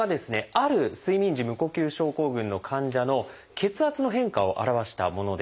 ある睡眠時無呼吸症候群の患者の血圧の変化を表したものです。